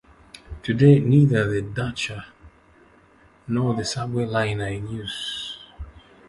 Today, neither the Dacha nor the subway line are in use.